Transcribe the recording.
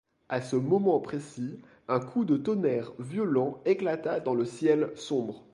À ce moment précis, un coup de tonnerre violent éclata dans le ciel sombre.